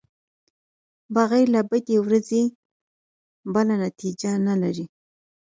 بغیر له بدې ورځې بله نتېجه نلري.